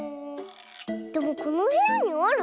でもこのへやにある？